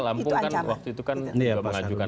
lampung kan waktu itu kan juga mengajukan